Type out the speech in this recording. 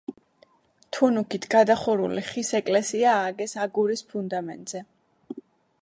თუნუქით გადახურული ხის ეკლესია ააგეს აგურის ფუნდამენტზე.